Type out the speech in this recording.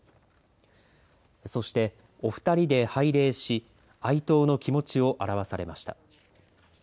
そして、お二人で拝礼し哀悼の気持ちを表されました。